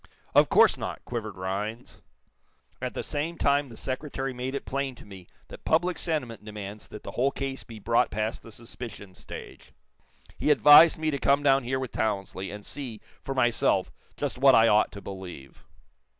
"Of course not," quivered Rhinds. "At the same time the Secretary made it plain to me that public sentiment demands that the whole case be brought past the suspicion stage. He advised me to come down here with Townsley, and see, for myself, just what I ought to believe."